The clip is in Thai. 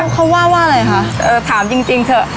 เขาว่าว่าอะไรค่ะเออถามจริงจริงเถอะ